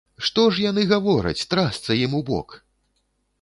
Што ж яны гавораць, трасца ім ў бок?